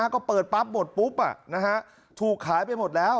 ก็เปิดปั๊บหมดปุ๊บถูกขายไปหมดแล้ว